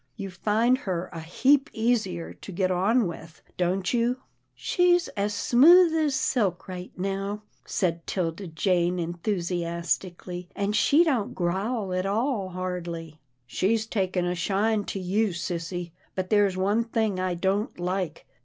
You find her a heap easier to get on with, don't you?" " She's as smooth as silk now," said 'Tilda Jane, enthusiastically, " and she don't growl at all, hardly." " She's taken a shine to you, sissy, but there's one thing I don't like.